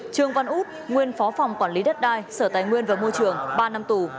trương văn út nguyên phó phòng quản lý đất đai sở tài nguyên và môi trường ba năm tù